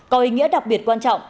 có ý nghĩa đặc biệt quan trọng